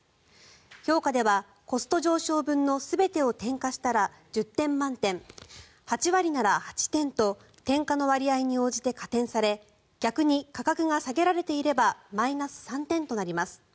評価では、コスト上昇分の全てを転嫁したら１０点満点８割なら８点と転嫁の割合に応じて加点され逆に価格が下げられていればマイナス３点となります。